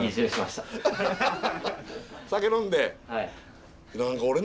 酒飲んで？